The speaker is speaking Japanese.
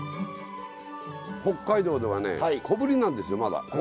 北海道ではね小ぶりなんですよまだ。